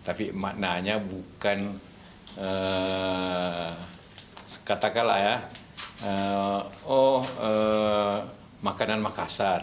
tapi maknanya bukan katakanlah ya oh makanan makassar